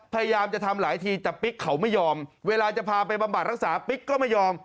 พยายามจะทำหลายทีแต่ปิ๊กเขาไม่ยอมเวลาจะพาไปบำบัดรักษาปิ๊กก็ไม่ยอม